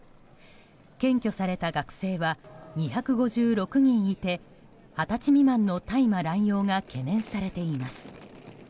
検挙された学生は２５６人いて二十歳未満の大麻乱用が懸念されています。